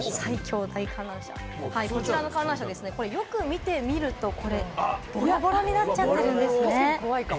こちらの観覧車、よく見てみるとボロボロになっちゃってるんですね。